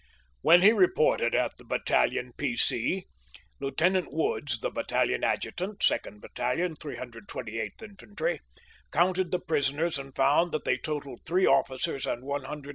When he reported at the Battalion P. C, Lieutenant Woods, the Battalion Adjutant, 2nd Battalion, 328th In fantry, counted the prisoners and found that they totaled three officers and 129 enlisted men.